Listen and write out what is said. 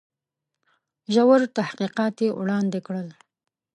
ژور تحقیقات یې وړاندي کړل.